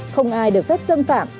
không ai được phép xâm phạm